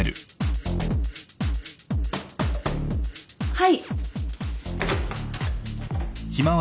・はい。